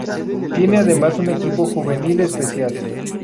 Tiene además un equipo juvenil especial.